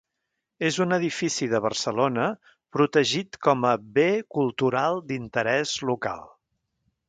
És un edifici de Barcelona protegit com a Bé Cultural d'Interès Local.